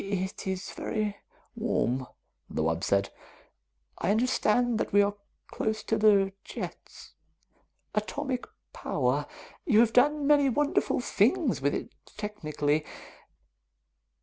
"It is very warm," the wub said. "I understand that we are close to the jets. Atomic power. You have done many wonderful things with it technically.